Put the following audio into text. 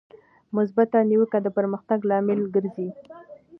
مثبته نیوکه د پرمختګ لامل ګرځي.